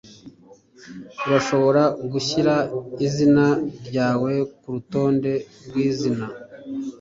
Urashobora gushyira izina ryawe kurutonde rwizina.